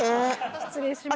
失礼します。